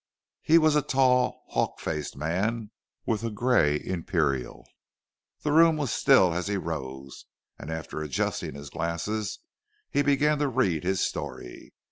He was a tall, hawk faced man with a grey imperial. The room was still as he arose, and after adjusting his glasses, he began to read his story.